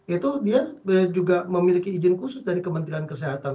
itu dia juga memiliki izin khusus dari kementerian kesehatan